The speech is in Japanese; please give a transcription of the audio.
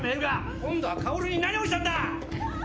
今度は薫に何をしたんだ